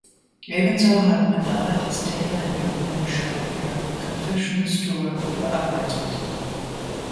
Ebenso hat Madonna das Thema in der Bühnenshow ihrer "Confessions-Tour" verarbeitet.